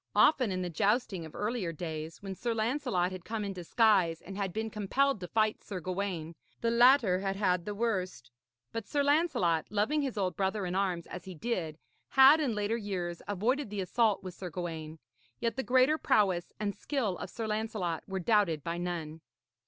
Often in the jousting of earlier days, when Sir Lancelot had come in disguise and had been compelled to fight Sir Gawaine, the latter had had the worst. But Sir Lancelot, loving his old brother in arms as he did, had in later years avoided the assault with Sir Gawaine; yet the greater prowess and skill of Sir Lancelot were doubted by none.